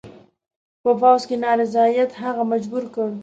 په پوځ کې نارضاییت هغه مجبور کړ.